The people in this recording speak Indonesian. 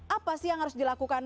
apa sih yang harus dilakukan